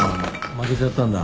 負けちゃったんだ。